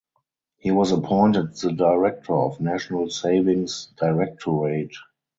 He was appointed the Director of National Savings Directorate.